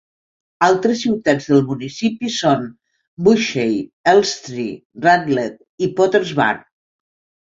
Altres ciutats del municipi són Bushey, Elstree, Radlett i Potters Bar.